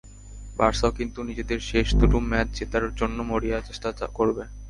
বার্সাও কিন্তু নিজেদের শেষ দুটো ম্যাচ জেতার জন্য মরিয়া চেষ্টা করবে।